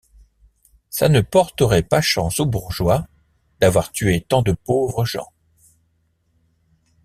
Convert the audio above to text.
Ça ne porterait pas chance aux bourgeois, d’avoir tué tant de pauvres gens.